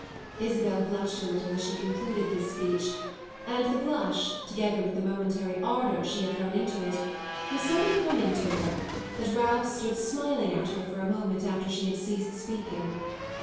Isabel blushed a little as she concluded this speech, and the blush, together with the momentary ardour she had thrown into it, was so becoming to her that Ralph stood smiling at her for a moment after she had ceased speaking.